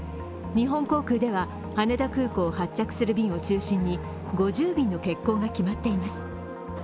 日本航空では羽田空港を発着する便を中心に５０便の欠航が決まっています。